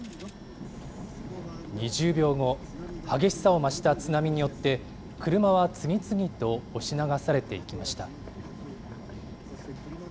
２０秒後、激しさを増した津波によって、車は次々と押し流されていきました。